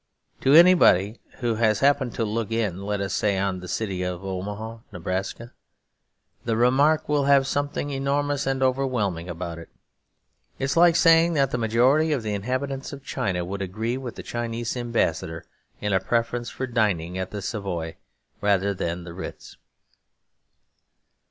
To anybody who has happened to look in, let us say, on the city of Omaha, Nebraska, the remark will have something enormous and overwhelming about it. It is like saying that the majority of the inhabitants of China would agree with the Chinese Ambassador in a preference for dining at the Savoy rather than the Ritz.